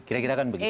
kira kira kan begitu